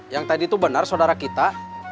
yang tadi itu benar saudara kita